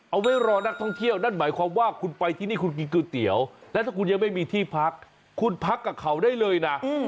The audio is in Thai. เอาไว้รอนักท่องเที่ยวนั่นหมายความว่าคุณไปที่นี่คุณกินก๋วยเตี๋ยวและถ้าคุณยังไม่มีที่พักคุณพักกับเขาได้เลยนะ